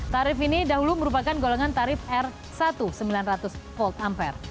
tarif ini dahulu merupakan golongan tarif r satu sembilan ratus volt ampere